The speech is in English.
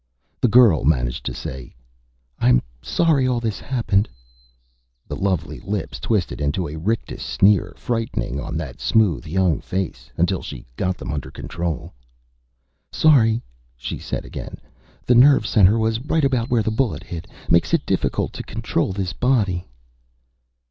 The girl managed to say, "I'm sorry all this happened." The lovely lips twisted into a rictus sneer, frightening on that smooth young face, until she got them under control. "Sorry," she said again. "The nerve center was right about where the bullet hit. Makes it difficult to control this body."